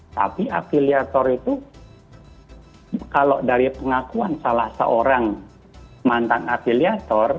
tapi afiliator itu kalau dari pengakuan salah seorang mantan afiliator